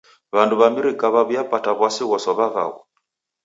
W'andu w'a mrika w'aw'iapata w'asi ghosow'a vaghu.